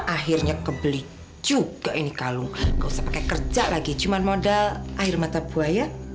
akhirnya kebeli juga ini kalung gak usah pakai kerja lagi cuma modal air mata buaya